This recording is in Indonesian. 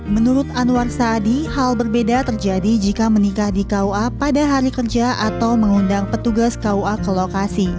menurut anwar saadi hal berbeda terjadi jika menikah di kua pada hari kerja atau mengundang petugas kua ke lokasi